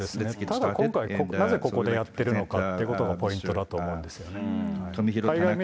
ただ、今回、なぜここでやっているのかということがポイントだと思うんですよね。